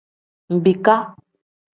Mbiika.